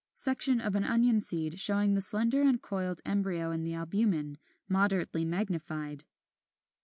Section of an Onion seed showing the slender and coiled embryo in the albumen, moderately magnified.